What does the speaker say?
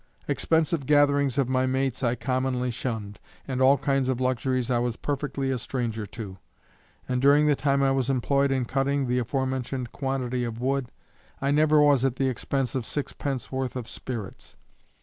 Expensive gatherings of my mates I commonly shunned, and all kinds of luxuries I was perfectly a stranger to; and during the time I was employed in cutting the aforementioned quantity of wood, I never was at the expense of six pence worth of spirits.